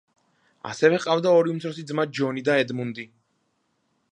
ასევე ჰყავდა ორი უმცროსი ძმა ჯონი და ედმუნდი.